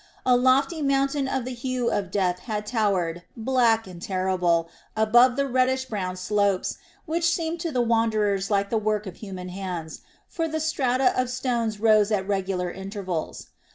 A lofty mountain of the hue of death had towered, black and terrible, above the reddish brown slopes, which seemed to the wanderers like the work of human hands, for the strata of stones rose at regular intervals.